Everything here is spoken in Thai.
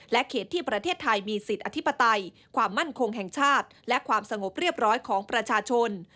เขตที่ประเทศไทยมีสิทธิอธิปไตยความมั่นคงแห่งชาติและความสงบเรียบร้อยของประชาชน